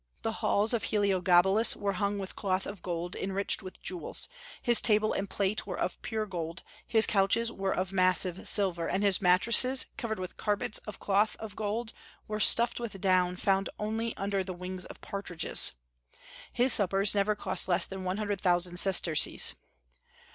The halls of Heliogabalus were hung with cloth of gold, enriched with jewels; his table and plate were of pure gold; his couches were of massive silver, and his mattresses, covered with carpets of cloth of gold, were stuffed with down found only under the wings of partridges. His suppers never cost less than one hundred thousand sesterces.